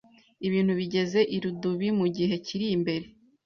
ibintu bigeze irudubi mu gihe kiri imbere